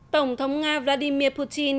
tổng thống nga vladimir putin